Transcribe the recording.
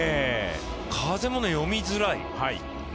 風も読みづらい。